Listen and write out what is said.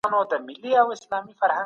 لوستې مور د کور د تشناب پاکوالی ساتي.